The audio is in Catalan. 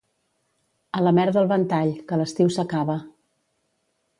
A la merda el ventall, que l'estiu s'acaba.